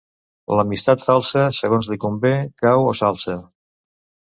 L'amistat falsa, segons li convé: cau o s'alça.